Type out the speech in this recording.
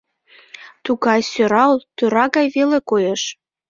Тугай сӧрал, тӧра гай веле коеш.